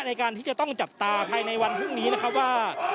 ในการที่จะต้องจับตาภายในวันพรุ่งนี้นะครับว่า